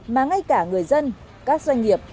mà ngay cả người dân các doanh nghiệp